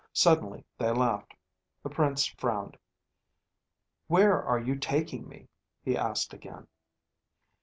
Suddenly they laughed. The Prince frowned. "Where are you taking me?" he asked again.